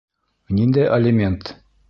Ниндәй алимент?